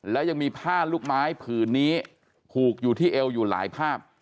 และยังมีผ้าลูกไม้ผืนนี้ผูกอยู่ที่เอวอยู่หลายภาพ